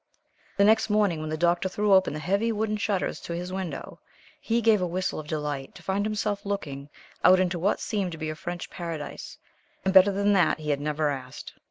The next morning, when the Doctor threw open the heavy wooden shutters to his window, he gave a whistle of delight to find himself looking out into what seemed to be a French Paradise and better than that he had never asked.